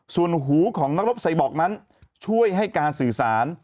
ส่วนหูของนักรบไซบอกนั้นช่วยให้การสื่อสาร